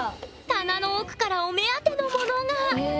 棚の奥からお目当てのものがへえ